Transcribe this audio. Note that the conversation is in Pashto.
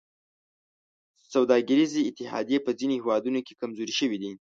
سوداګریزې اتحادیې په ځینو هېوادونو کې کمزورې شوي دي